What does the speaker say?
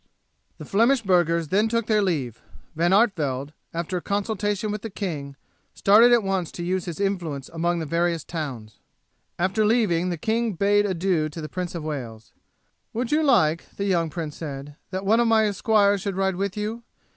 The Flemish burghers then took their leave. Van Artevelde, after a consultation with the king, started at once to use his influence among the various towns. After leaving the king he bade adieu to the Prince of Wales. "Would you like," the young prince said, "that one of my esquires should ride with you?